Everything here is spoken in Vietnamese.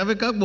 với các bộ